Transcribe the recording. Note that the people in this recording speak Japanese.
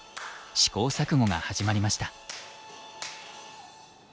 試行錯誤が始まりました。